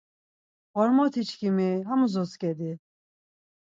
Ğormotiçkimi, amus otzǩedi.